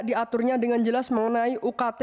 diaturnya dengan jelas mengenai ukt